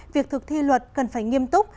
việc thực thi luật cần phải nghiêm túc